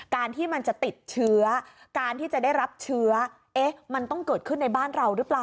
การที่มันจะติดเชื้อการที่จะได้รับเชื้อเอ๊ะมันต้องเกิดขึ้นในบ้านเราหรือเปล่า